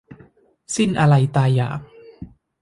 สิ้นอาลัยตายอยาก